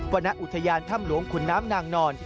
วันนัชอุทยานถ้ำหลวงคุณน้ำนางนอน